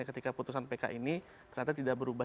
ketika putusan pk ini ternyata tidak berubah